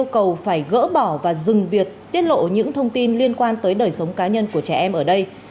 cầu phải gỡ bỏ và dừng việc tiết lộ những thông tin liên quan tới đời sống cá nhân của trẻ em ở đây